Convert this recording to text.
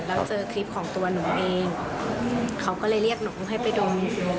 แล้วเจอคลิปของตัวหนูเองเขาก็เลยเรียกหนูให้ไปดม